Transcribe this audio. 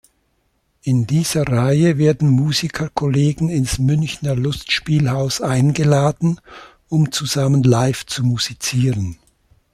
In dieser Reihe werden Musikerkollegen ins "Münchner Lustspielhaus" eingeladen, um zusammen live zu musizieren.